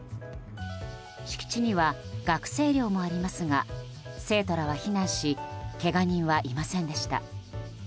敷地には学生寮もありますが生徒らは避難しけが人はいませんでした。